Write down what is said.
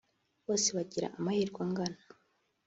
bose bagira amahirwe angana